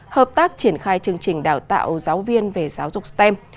hợp tác triển khai chương trình đào tạo giáo viên về giáo dục stem